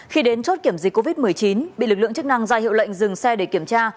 khi đến chốt kiểm dịch covid một mươi chín bị lực lượng chức năng ra hiệu lệnh dừng xe để kiểm tra